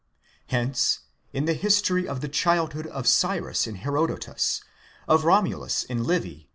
Hence in the history of the childhood of Cyrus in Herodotus, of Romulus in Livy